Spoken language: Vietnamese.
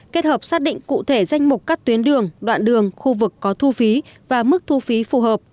kết hợp xác định cụ thể danh mục các tuyến đường đoạn đường khu vực có thu phí và mức thu phí phù hợp